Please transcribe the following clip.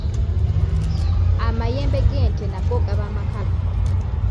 Amayembe g’ente nago gaba makalu.